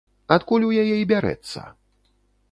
Адкуль у яе й бярэцца?